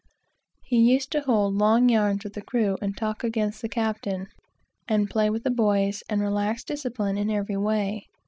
He used to hold long yarns with the crew, and talk about the captain, and play with the boys, and relax discipline in every way.